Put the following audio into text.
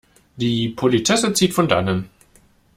Die Politesse zieht von Dannen.